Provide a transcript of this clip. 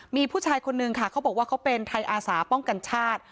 มีผู้ชายคนนึงค่ะเขาบอกว่าเขาเป็นไทยอาสาป้องกันชาติ